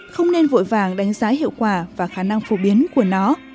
không nên vội vàng đánh giá hiệu quả và khả năng phổ biến của nó